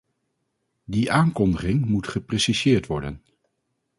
Die aankondiging moet gepreciseerd worden.